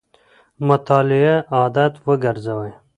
مطالعه عادت وګرځوئ.